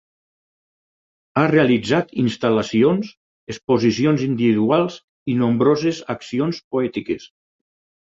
Ha realitzat instal·lacions, exposicions individuals i nombroses accions poètiques.